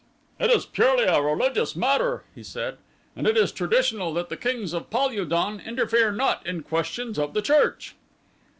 "It is purely a religious matter," he said, "and it is traditional that the kings of Pal ul don interfere not in questions of the church."